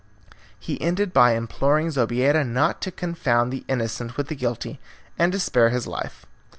He ended by imploring Zobeida not to confound the innocent with the guilty and to spare his life.